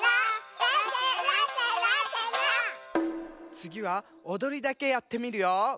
つぎはおどりだけやってみるよ！